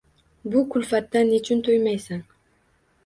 Bu kulfatdan nechun to’ymaysan!